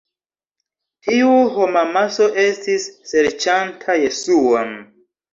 Tiu homamaso estis serĉanta Jesuon.